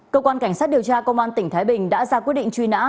cơ quan cảnh sát điều tra công an tỉnh thái bình đã ra quyết định truy nã